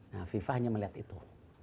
nah fifa hanya melihat itu